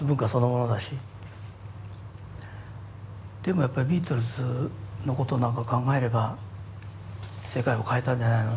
でもやっぱりビートルズのことなんか考えれば世界を変えたんじゃないの？